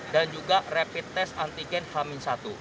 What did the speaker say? dan juga rapid test antigen hamil satu